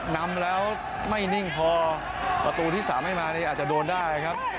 นำแล้วไม่นิ่งพอประตูที่๓ให้มานี่อาจจะโดนได้ครับ